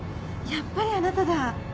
やっぱりあなただ。